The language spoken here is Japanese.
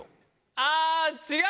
あー、違う！